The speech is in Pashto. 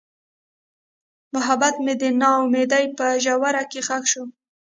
محبت مې د نا امیدۍ په ژوره کې ښخ شو.